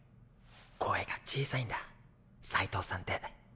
声が小さいんだ斎藤さんって。